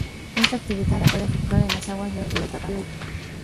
Esta actividad la puede efectuar en las aguas del Río Itata.